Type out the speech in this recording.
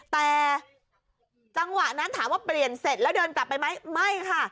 แต่จังหวะนั้นถามว่าเปลี่ยนเสร็จแล้วเดินกลับไปไหมไม่ค่ะ